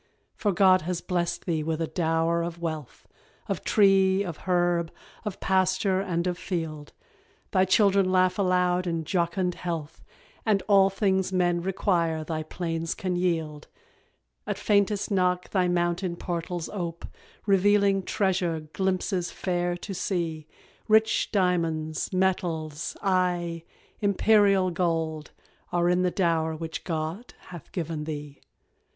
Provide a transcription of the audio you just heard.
For God has blest thee with a dower of wealth, Of tree, of herb, of pasture, and of field: Thy children laugh aloud in jocund health, And all things men require thy plains can yield; At faintest knock thy mountain portals ope, Revealing treasure glimpses fair to see Rich diamonds, metals, aye, Imperial gold, Are in the dower which God hath given thee.